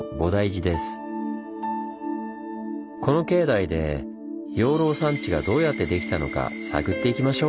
この境内で養老山地がどうやってできたのか探っていきましょう！